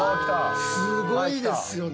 すごいですよね。